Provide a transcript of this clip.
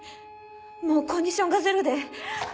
もうコンディションがゼロで。